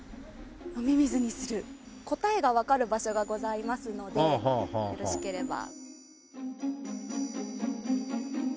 答えがわかる場所がございますのでよろしければ。